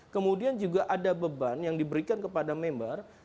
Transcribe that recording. kemudian juga ada beban yang diberikan kepada member